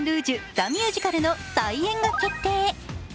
ザ・ミュージカル」の再演が決定。